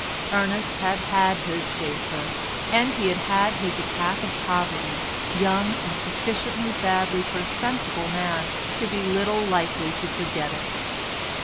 Ernest had had his facer, as he had had his attack of poverty, young, and sufficiently badly for a sensible man to be little likely to forget it.